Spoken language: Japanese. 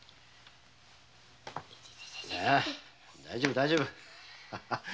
大丈夫大丈夫。